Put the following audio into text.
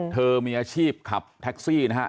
เธอมีอาชีพขับแท็กซี่นะฮะ